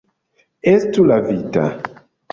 Estu lavita.